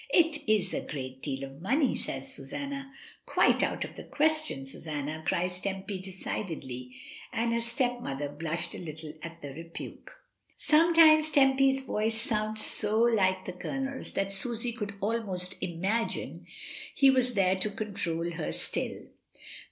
"It is a great deal of money," says Susanna. "Quite out of the question, Susanna," cries Tempy, decidedly, and her stepmother blushed a little at the rebuke. Sometimes Temp/s voice sounds so like the 56 MRS. DYMOND. Coloners that Susy could almost imagine he was there to control her still.